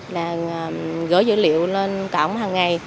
là gửi dữ liệu lên cổng hàng ngày